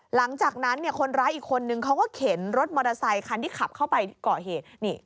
หลังจากนั้นคนร้ายอีกคนนึงเขาก็เข็นรถมอเตอร์ไซคันที่ขับเข้าไปก่อเหตุ